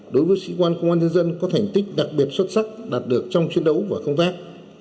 đối với sĩ quan công an nhân dân có thành tích đặc biệt xuất sắc đạt được trong chiến đấu và công tác